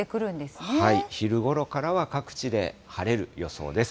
昼ごろからは各地で晴れる予想です。